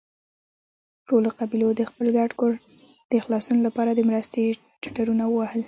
ټولو قبيلو د خپل ګډ کور د خلاصون له پاره د مرستې ټټرونه ووهل.